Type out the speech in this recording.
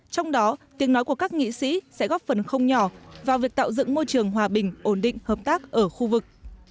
trong đó tiếng nói của các nghị sĩ sẽ góp phần không nhỏ vào việc tạo dựng môi trường hòa bình ổn định hợp tác ở khu vực